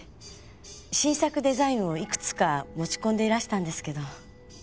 新作デザインをいくつか持ち込んでいらしたんですけど。